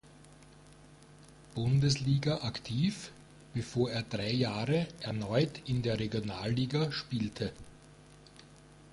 Bundesliga aktiv, bevor er drei Jahre erneut in der Regionalliga spielte.